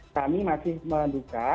kami masih meluka